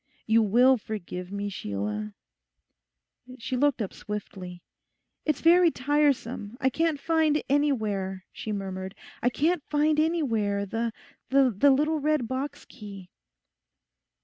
You will forgive me, Sheila?' She looked up swiftly. 'It's very tiresome, I can't find anywhere,' she murmured, 'I can't find anywhere the—the little red box key.